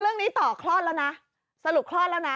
เรื่องนี้ต่อคลอดแล้วนะสรุปคลอดแล้วนะ